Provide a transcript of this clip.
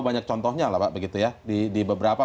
banyak contohnya lah pak begitu ya di beberapa